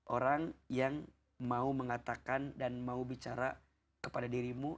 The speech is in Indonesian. orang yang mau mengatakan dan mau bicara kepada dirimu